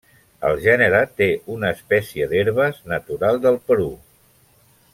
El gènere té una espècie d'herbes, natural del Perú.